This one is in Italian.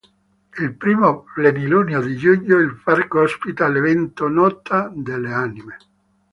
Il primo plenilunio di giugno il parco ospita l'evento "Notte delle Anime".